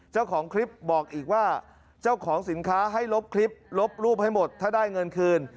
เจ้าของคลิปบอกอีกว่าเจ้าของสินค้าให้ลบคลิปลบรูปให้หมดถ้าได้เงินคืน